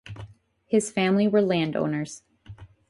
His family were landowners.